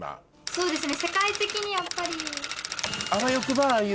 そうですね。